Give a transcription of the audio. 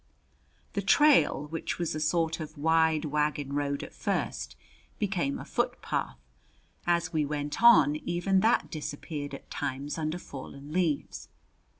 The trail, which was a sort of wide wagon road at first, became a footpath; as we went on even that disappeared at times under fallen leaves.